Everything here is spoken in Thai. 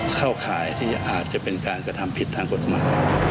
เข้าข่ายที่อาจจะเป็นการกระทำผิดทางกฎหมาย